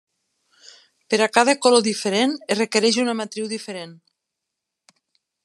Per a cada color diferent es requereix una matriu diferent.